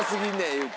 言うて。